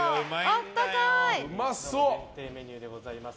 限定メニューでございます。